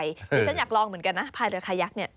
ดิฉันอยากลองเหมือนกันนะพายเรือขยักษ์เนี่ย